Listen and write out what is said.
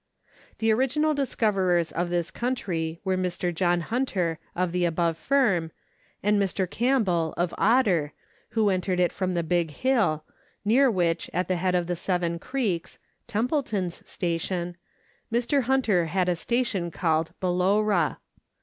The original discoverers of this country were Mr. John Hunter, of the above firm, and Mr. Campbell, of Otter, who entered it from the Big Hill, near which, at the head of the Seven Creeks (Teniple ton's station), Mr. Hunter had a station called " Balowra."